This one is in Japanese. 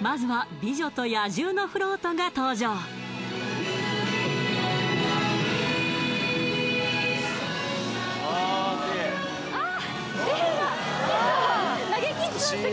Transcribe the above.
まずは「美女と野獣」のフロートが登場あっ